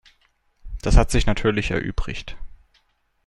Das hat sich natürlich erübrigt.